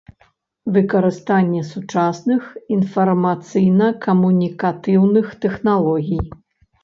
Выкарыстанне сучасных iнфармацыйна-камунiкатыўных тэхналогiй.